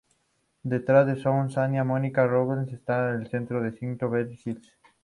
Detrás, en South Santa Monica Boulevard, está el Centro Cívico de Beverly Hills.